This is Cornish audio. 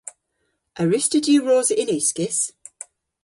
A wruss'ta diwrosa yn uskis?